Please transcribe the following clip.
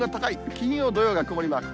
金曜、土曜が曇りマーク。